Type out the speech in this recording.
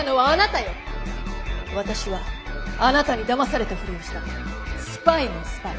私はあなたにだまされたふりをしたスパイのスパイ。